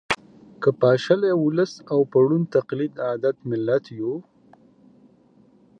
که پاشلی ولس او په ړوند تقلید عادت ملت یو